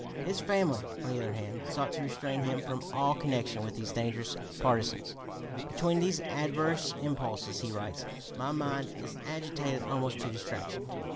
His family, on the other hand, sought to restrain him from all connection with these dangerous partisans. "Between these adverse impulses," he writes, "my mind is agitated almost to distraction....